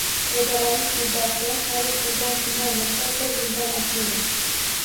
Foydalanish muddati xarid qilingan kundan boshlab bir yildan oshmagan